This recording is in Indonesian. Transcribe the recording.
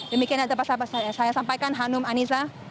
demikian ada pasal pasal yang saya sampaikan hanum anissa